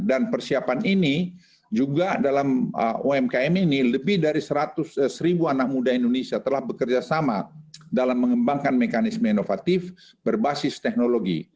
dan persiapan ini juga dalam umkm ini lebih dari seratus seribu anak muda indonesia telah bekerjasama dalam mengembangkan mekanisme inovatif berbasis teknologi